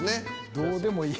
どうでもいい。